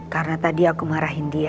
karena tadi aku marahin dia